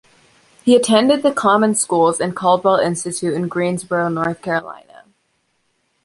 He attended the common schools and Caldwell Institute in Greensboro, North Carolina.